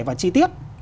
và chi tiết